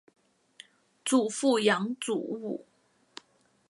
祖父杨祖武。